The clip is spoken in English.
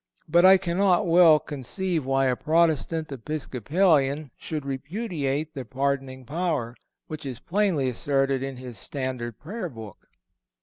But I cannot well conceive why a Protestant Episcopalian should repudiate the pardoning power, which is plainly asserted in his standard prayer book.